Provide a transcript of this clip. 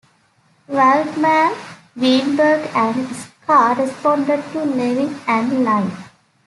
Waldman, Weinberg, and Scarr responded to Levin and Lynn.